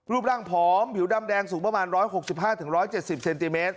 รูปร่างผอมผิวดำแดงสูงประมาณ๑๖๕๑๗๐เซนติเมตร